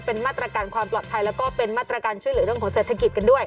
เป็นมาตรการความปลอดภัยแล้วก็เป็นมาตรการช่วยเหลือเรื่องของเศรษฐกิจกันด้วย